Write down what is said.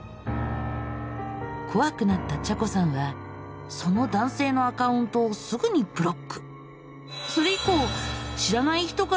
怖くなったちゃこさんはその男せいのアカウントをすぐにブロック。